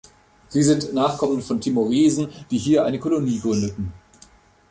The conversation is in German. Sie sind die Nachkommen von Timoresen, die hier eine Kolonie gründeten.